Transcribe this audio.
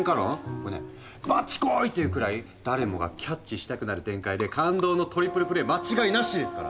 これね「バッチコーイ！」っていうくらい誰もがキャッチしたくなる展開で感動のトリプルプレー間違いなしですから。